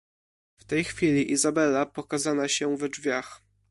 "W tej chwili Izabella pokazana się we drzwiach."